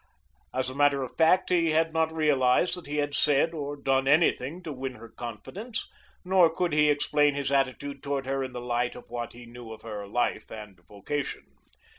As a matter of fact, he had not realized that he had said or done anything to win her confidence, nor could he explain his attitude toward her in the light of what he knew of her life and vocation.